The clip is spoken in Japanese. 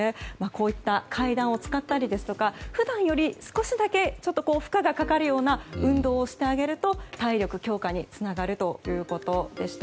こういった階段を使ったりですとか普段より少しだけ負荷がかかるような運動をしてあげると体力強化につながるということでした。